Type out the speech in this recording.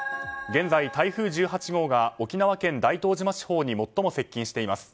現在、台風１８号が沖縄県大東島地方に最も接近しています。